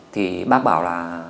thì bác bảo là